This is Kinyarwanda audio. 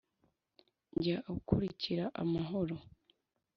Jya ukurikira amahoro